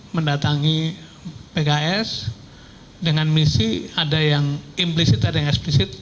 mendatangi pks dengan misi ada yang implisit ada yang eksplisit